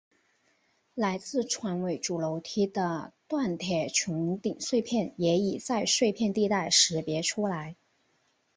来自船尾主楼梯的锻铁穹顶碎片也已在碎片地带识别出来。